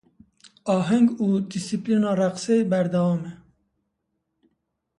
Aheng û disîplîna reqsê berdewam e.